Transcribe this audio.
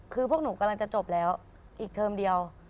คือพวกหนูกำลังจะจบแล้วอีกเทอมเดียว